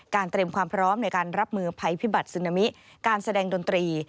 เตรียมความพร้อมในการรับมือภัยพิบัตรซึนามิการแสดงดนตรี